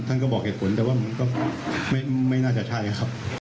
ท่านคงต้องการเงินนะครับท่านก็บอกเหตุผลแต่ว่าไม่น่าจะใช่ครับ